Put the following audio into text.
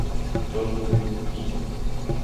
Instructor Ruben Illa.